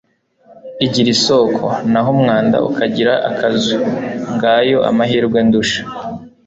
igira isoko, naho umwanda ukagira akazu. ngayo amahirwe ndusha